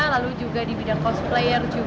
lalu juga di bidang cosplayer